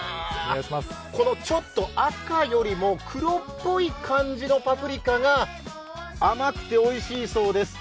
このちょっと赤よりも黒っぽい感じのパプリカが甘くておいしいそうです。